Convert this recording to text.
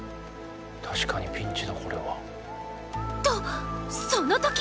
確かにピンチだこれは。とそのとき！